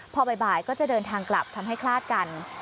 พอบ่ายก็จะเดินทางกลับทำให้คลาดกัน